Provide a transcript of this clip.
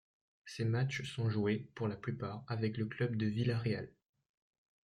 Ces matchs sont joués, pour la plupart, avec le club de Villarreal.